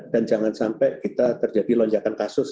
dan jangan sampai kita terjadi lonjakan kasus